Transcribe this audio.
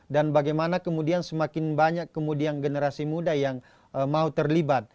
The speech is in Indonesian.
dan bagaimana kemudian semakin banyak generasi muda yang mau terlibat